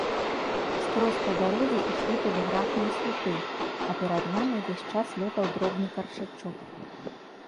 Скрозь па дарозе ішлі тэлеграфныя слупы, а перад намі ўвесь час лётаў дробны каршачок.